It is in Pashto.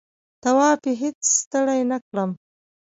طواف یې هېڅ ستړی نه کړم.